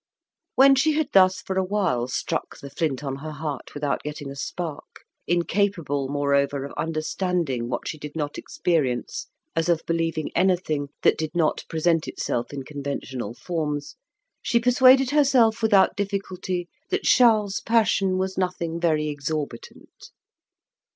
When she had thus for a while struck the flint on her heart without getting a spark, incapable, moreover, of understanding what she did not experience as of believing anything that did not present itself in conventional forms, she persuaded herself without difficulty that Charles's passion was nothing very exorbitant.